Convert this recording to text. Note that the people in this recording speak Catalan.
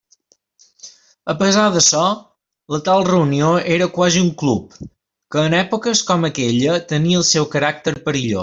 A pesar d'açò, la tal reunió era quasi un club, que en èpoques com aquella tenia el seu caràcter perillós.